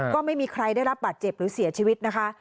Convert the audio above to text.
ก็ไม่มีใครได้รับบาดเจ็บหรือเสียชีวิตนะคะ